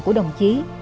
của đồng chí